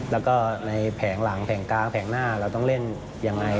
แล้วก็ในแผงหลังแผงกลางแผงหน้าเราต้องเล่นยังไง